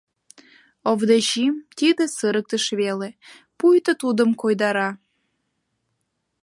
Овдочим тиде сырыктыш веле, пуйто тудым койдара.